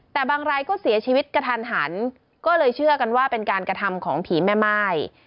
แต่บางรายก็เสียชีวิตกระทันหันก็เลยเชื่อกันว่าเป็นการกระทำของผีแม่ม่าย